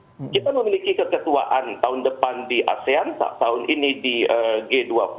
karena kita memiliki keketuaan tahun depan di asean tahun ini di g dua puluh